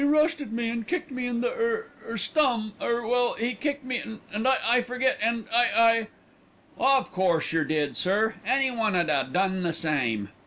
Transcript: "He rushed at me and kicked me in the er stom er well, he kicked me, and I I forget, and I I " "Of course yer did, sir; anyone 'ud 'a done the same."